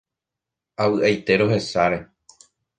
Avy'aite rohecháre.